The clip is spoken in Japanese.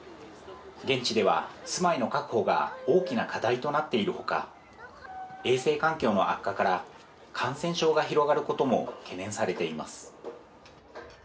現地では住まいの確保が大きな課題となっているほか、衛生環境の悪化から感染症が広がることも懸念されています。